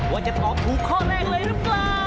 ว่าจะตอบถูกข้อแรกเลยหรือเปล่า